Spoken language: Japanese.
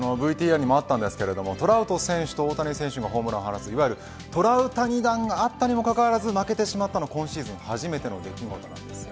ＶＴＲにもありましたがトラウト選手と大谷選手のホームランいわゆるトラウタニ弾があったにもかかわらず負けてしまったのは今シーズン初めての出来事です。